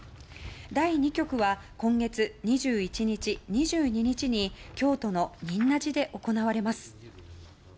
第２局は今月２１日、２２日に京都の仁和寺で行われます。